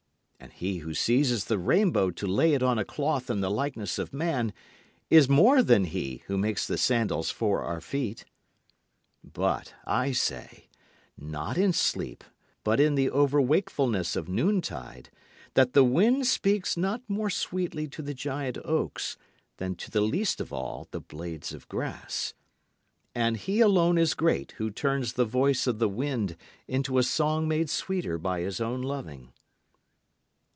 And he who seizes the rainbow to lay it on a cloth in the likeness of man, is more than he who makes the sandals for our feet." But I say, not in sleep but in the overwakefulness of noontide, that the wind speaks not more sweetly to the giant oaks than to the least of all the blades of grass; And he alone is great who turns the voice of the wind into a song made sweeter by his own loving.